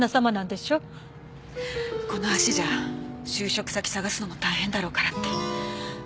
この足じゃ就職先探すのも大変だろうからって。